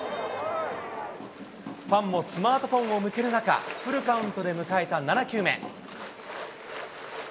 ファンもスマートフォンを向ける中、フルカウントで迎えた７球目。